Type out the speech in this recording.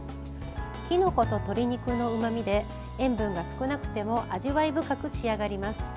きのこと鶏肉のうまみで塩分が少なくても味わい深く仕上がります。